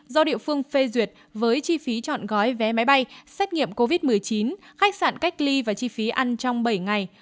do địa phương phê duyệt với chi phí chọn gói vé máy bay xét nghiệm covid một mươi chín khách sạn cách ly và chi phí ăn trong bảy ngày